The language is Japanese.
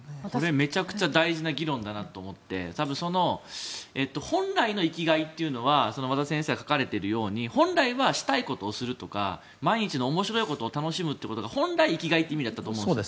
めちゃくちゃ大事な議論だなと思っていて本来の生きがいというのは和田先生が書かれているように本来はしたいことをするとか毎日の面白いことを楽しむことが本来生きがいって意味だと思うんです。